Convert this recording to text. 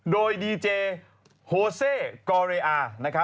โดยดีเจโฮเซกอเรอา